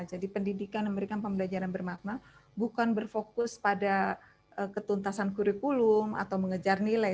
jadi pendidikan yang memberikan pembelajaran bermakna bukan berfokus pada ketuntasan kurikulum atau mengejar nilai